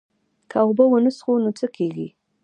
که اوبه ونه څښو نو څه کیږي